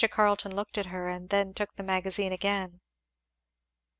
Carleton looked at her, and then took the magazine again.